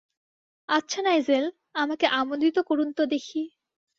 আচ্ছা, নাইজেল, আমাকে আমোদিত করুন তো দেখি।